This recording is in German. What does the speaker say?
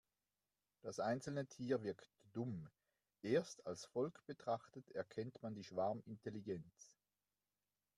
Das einzelne Tier wirkt dumm, erst als Volk betrachtet erkennt man die Schwarmintelligenz.